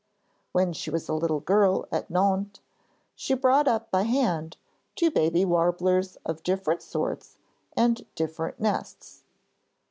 When she was a little girl at Nohant, she brought up by hand two baby warblers of different sorts and different nests.